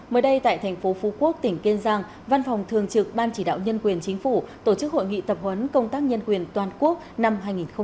mới đây tại thành phố phú quốc tỉnh kiên giang văn phòng thường trực ban chỉ đạo nhân quyền chính phủ tổ chức hội nghị tập huấn công tác nhân quyền toàn quốc năm hai nghìn hai mươi